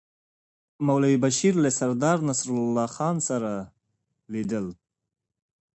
مولوي بشیر له سردار نصرالله خان سره لیدل.